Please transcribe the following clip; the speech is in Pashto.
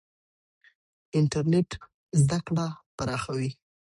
انټرنېټ زده کړه پراخوي.